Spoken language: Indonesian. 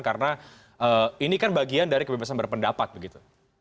karena ini kan bagian dari kebebasan berpendapat begitu